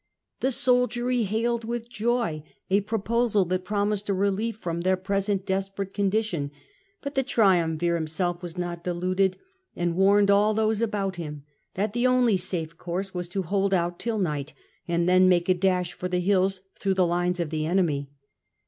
The soldiery hailed with joy a proposal that promised a relief from their present desperate condition, but the triumvir him self was not deluded, and warned all those about him that the only safe course was to hold out till night, and then make a dash for the hills through the lines of the enemy.